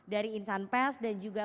dari insan pers dan juga